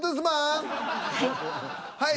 はい。